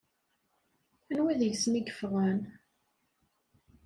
Anwa deg-sen i yeffɣen?